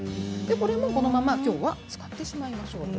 これもきょうは使ってしまいましょう。